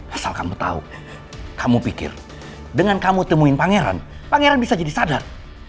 asal kamu tahu kamu pikir dengan kamu temuin pangeran pangeran bisa jadi sadar